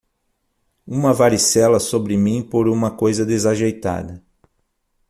Uma varicela sobre mim por uma coisa desajeitada.